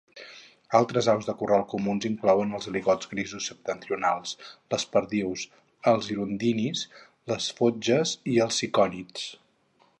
Altres aus de corral comuns inclouen els aligots grisos septentrionals, les perdius, els hirundínids, les fotges i els cicònids.